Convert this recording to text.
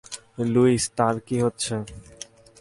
Luis, তার কি হচ্ছে?